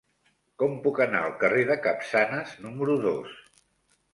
Com puc anar al carrer de Capçanes número dos?